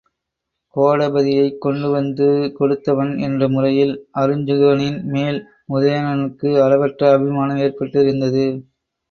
கோடபதியைக் கொண்டுவந்து கொடுத்தவன் என்ற முறையில் அருஞ்சுகனின்மேல் உதயணனுக்கு அளவற்ற அபிமானம் ஏற்பட்டிருந்தது.